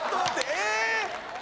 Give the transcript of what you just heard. え